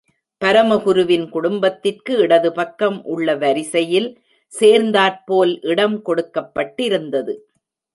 பரமகுருவின் குடும்பத்திற்கு இடதுபக்கம் உள்ள வரிசையில் சேர்ந்தாற்போல் இடம் கொடுக்கப்பட்டிருந்தது.